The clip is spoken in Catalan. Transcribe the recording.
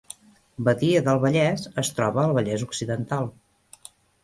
Badia del Vallès es troba al Vallès Occidental